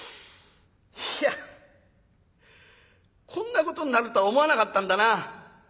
いやこんなことになるとは思わなかったんだな。